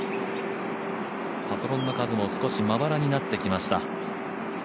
パトロンの数も少しまばらになってきました。